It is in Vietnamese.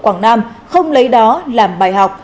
quảng nam không lấy đó làm bài học